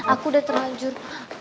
aku udah terlanjur